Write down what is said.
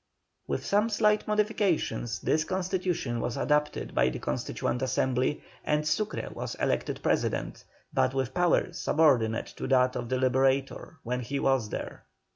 With some slight modifications, this constitution was adopted by the Constituent Assembly, and Sucre was elected President, but with power subordinate to that of the Liberator when he was there.